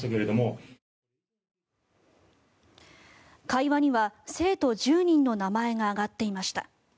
会話には生徒１０人の名前が挙がっていました。